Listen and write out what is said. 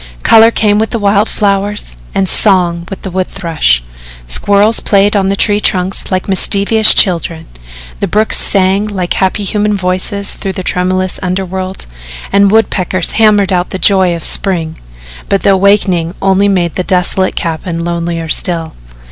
Colour came with the wild flowers and song with the wood thrush. Squirrels played on the tree trunks like mischievous children, the brooks sang like happy human voices through the tremulous underworld and woodpeckers hammered out the joy of spring, but the awakening only made the desolate cabin lonelier still.